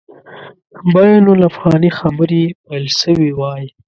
بین الافغاني خبري پیل سوي وای.